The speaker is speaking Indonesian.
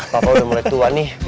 bapak udah mulai tua nih